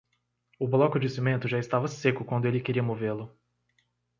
O bloco de cimento já estava seco quando ele queria movê-lo.